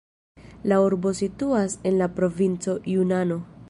La urbo situas en la provinco Junano.